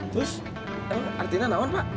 terus artinya namanya pak